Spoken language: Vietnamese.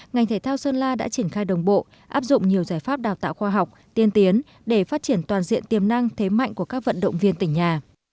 ngành thể thao sơn la đã triển khai đồng bộ áp dụng nhiều giải pháp đào tạo khoa học tiên tiến để phát triển toàn diện tiềm năng thế mạnh của các vận động viên tỉnh nhà